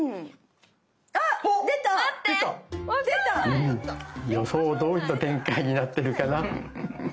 うん。予想どおりの展開になってるかな。